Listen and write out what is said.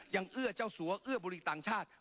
เอื้อเจ้าสัวเอื้อบุรีต่างชาติ